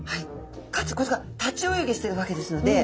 かつ立ち泳ぎしてるわけですので。